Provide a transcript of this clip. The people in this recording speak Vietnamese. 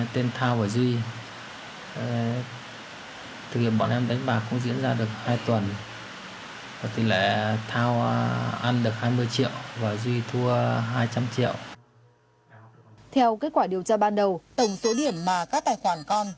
theo kết quả điều tra ban đầu tổng số điểm mà các tài khoản con